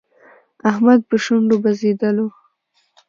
احمد په شونډو بزېدلو.